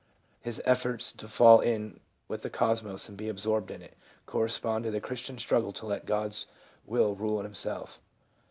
His efforts to fall in with the cosmos and be absorbed in it, correspond to the Christian struggle to let God's will rule in himself.